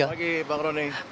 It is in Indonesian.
selamat pagi bang roni